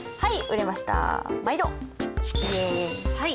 はい。